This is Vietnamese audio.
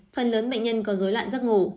phần lớn bệnh nhân có dối loạn giấc ngủ